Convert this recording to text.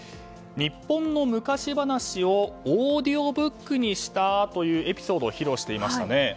日本の昔話をオーディオブックにしたというエピソードを披露していましたね。